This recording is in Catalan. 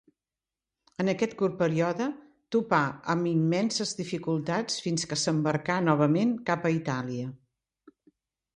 En aquest curt període topà amb immenses dificultats fins que s'embarcà novament cap a Itàlia.